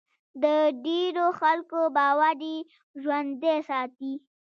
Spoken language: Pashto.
د ډېرو خلکو باور یې ژوندی ساتي.